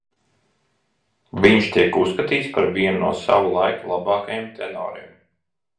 Viņš tiek uzskatīts par vienu no sava laika labākajiem tenoriem.